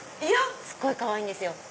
すっごいかわいいんですよ。